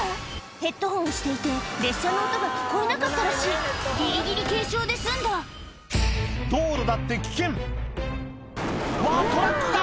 ヘッドホンしていて列車の音が聞こえなかったらしいギリギリ軽傷で済んだ道路だって危険わっトラックが！